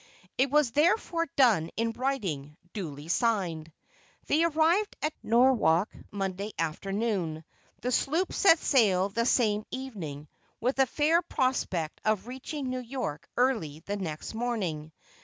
It was therefore done in writing, duly signed. They arrived at Norwalk Monday afternoon. The sloop set sail the same evening, with a fair prospect of reaching New York early the next morning.